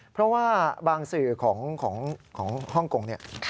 เพราะว่าบางสื่อของฮ่องกงเนี่ย